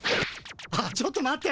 あっちょっと待って。